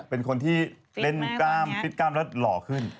เป็นคนที่เล่นกล้ามฟิตกล้ามแล้วหล่อขึ้น